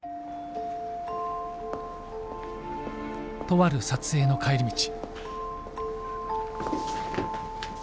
とある撮影の帰り道